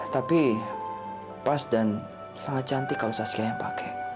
tapi pas dan sangat cantik kalau saskia yang pakai